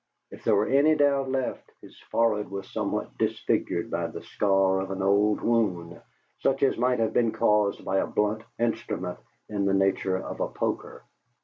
If there were any doubt left, his forehead was somewhat disfigured by the scar of an old wound such as might have been caused by a blunt instrument in the nature of a poker.